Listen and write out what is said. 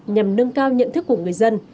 nhằm nâng cao nhận thức của người dân